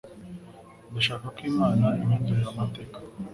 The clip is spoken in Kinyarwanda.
ndashaka ko imana impindurira amatela